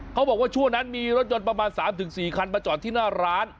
เขาบอกว่าช่วงนั้นมีรถยนต์ประมาณ๓๔คันมาจอดที่หน้าร้าน